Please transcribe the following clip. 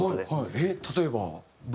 えっ例えば？